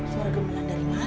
suara gemelan dari mana